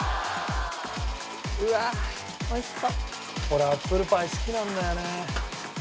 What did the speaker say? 俺アップルパイ好きなんだよね。